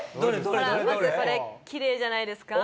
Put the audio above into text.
ほらまずこれきれいじゃないですか？